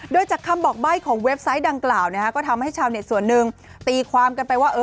โดยจากคำบอกใบ้ของเว็บไซต์ดังกล่าวก็ทำให้ชาวเน็ตส่วนหนึ่งตีความกันไปว่า